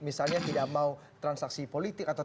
misalnya tidak mau transaksi politik atau